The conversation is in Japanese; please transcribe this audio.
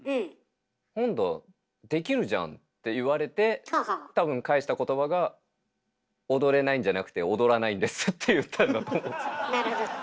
「何だできるじゃん」って言われて多分返した言葉が「踊れないんじゃなくて踊らないんです」って言ったんだと思うんですよね。